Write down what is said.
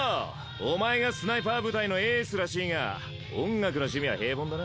お前がスナイパー部隊のエースらしいが音楽の趣味は平凡だな。